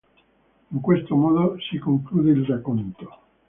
In questo modo si conclude il racconto.